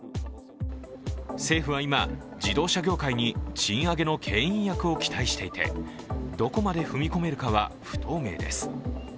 政府は今、自動車業界に賃上げのけん引役を期待していてどこまで踏み込めるかは不透明です。